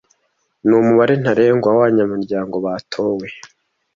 Numubare ntarengwa w’abanyamuryango batowe